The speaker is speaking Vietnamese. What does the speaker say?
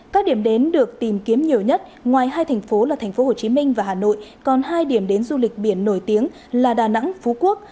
các điểm đến được tìm kiếm nhiều nhất ngoài hai thành phố là thành phố hồ chí minh và hà nội còn hai điểm đến du lịch biển nổi tiếng là đà nẵng phú quốc